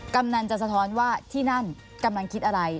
กำนันจะสะท้อนว่าที่นั่นกำลังคิดอะไร